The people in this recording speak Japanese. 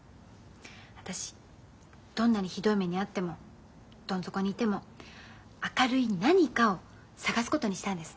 私どんなにひどい目に遭ってもどん底にいても明るい何かを探すことにしたんです。